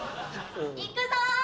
行くぞ！